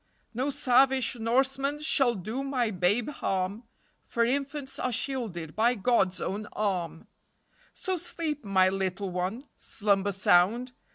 No savage Norseman shall do my babe harm For infants are shielded by God's own arm; So sleep, my little one, Slumber sound.